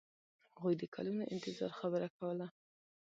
هغوی د کلونو انتظار خبره کوله.